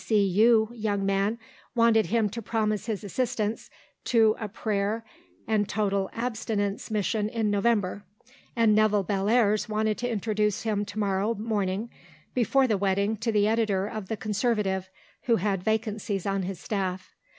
C.C.U. young man wanted him to promise his assistance to a Prayer and Total Abstinence mission in November; and Nevill Bellairs wanted to introduce him to morrow morning before the wedding to the editor of the Conservative, who had vacancies on his staff.